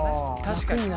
確かに。